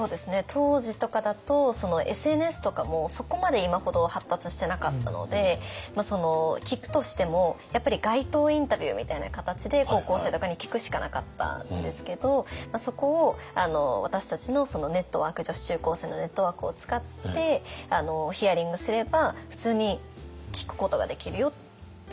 当時とかだとＳＮＳとかもそこまで今ほど発達してなかったので聞くとしてもやっぱり街頭インタビューみたいな形で高校生とかに聞くしかなかったんですけどそこを私たちの女子中高生のネットワークを使ってヒアリングすれば普通に聞くことができるよっていうような感じ。